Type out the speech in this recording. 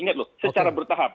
ingat loh secara bertahap